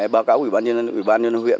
báo cáo ủy ban nhân dân huyện